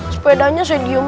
sepedanya saya diam aja